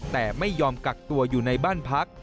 แต่ไม่ยอมกักตัวอยู่ในบ้านพัก